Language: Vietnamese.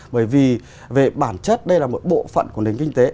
bởi vì về bản chất đây là một bộ phận của nền kinh tế